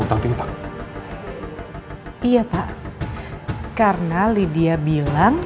untuk ministris yang bernama estava reginden itu sebelumawcalled solidarity remarks